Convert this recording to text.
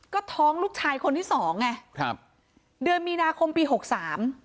ก็ท้องลูกชายคนที่สองไงครับเดือนมีนาคมปีหกสาม